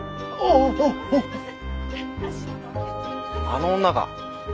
あの女か？